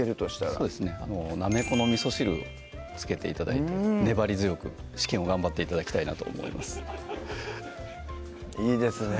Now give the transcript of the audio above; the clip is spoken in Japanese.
そうですねなめこの味汁を付けて頂いて粘り強く試験を頑張って頂きたいなと思いますいいですね